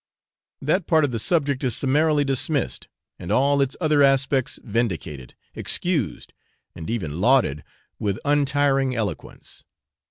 That part of the subject is summarily dismissed, and all its other aspects vindicated, excused, and even lauded, with untiring eloquence.